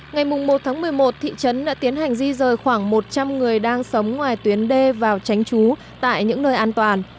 ngày một một mươi một thị trấn đã tiến hành di rời khoảng một trăm linh người đang sống ngoài tuyến đê vào tránh trú tại những nơi an toàn